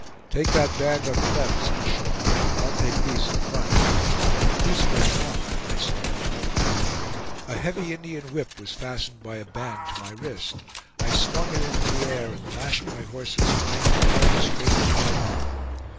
"Take that band on the left," said Shaw; "I'll take these in front." He sprang off, and I saw no more of him. A heavy Indian whip was fastened by a band to my wrist; I swung it into the air and lashed my horse's flank with all the strength of my arm.